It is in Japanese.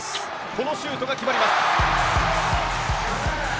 このシュートが決まります。